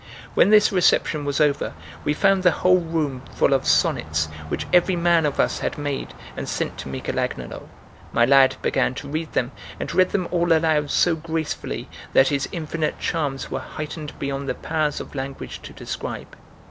When this reception was over, we found the whole room full of sonnets, which every man of us had made and sent to Michel Agnolo, My lad began to read them, and read them all aloud so gracefully, that his infinite charms were heightened beyond the powers of language to describe.